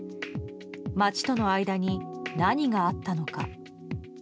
町との間に何があったのか。